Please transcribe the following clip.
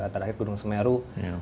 terakhir gunung semeru